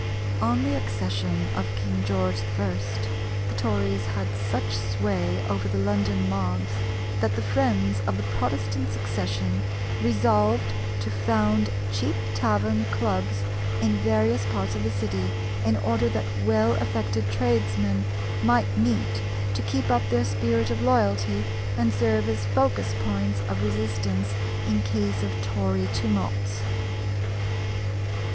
On the accession of King George I. the Tories had such sway over the London mobs, that the friends of the Protestant succession resolved to found cheap tavern clubs in various parts of the City in order that well affected tradesmen might meet to keep up their spirit of loyalty, and serve as focus points of resistance in case of Tory tumults.